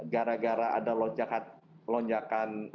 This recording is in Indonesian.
gara gara ada lonjakan